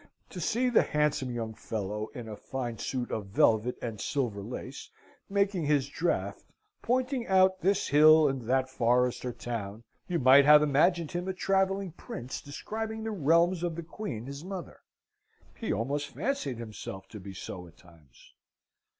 To see the handsome young fellow, in a fine suit of velvet and silver lace, making his draught, pointing out this hill and that forest or town, you might have imagined him a travelling prince describing the realms of the queen his mother. He almost fancied himself to be so at times.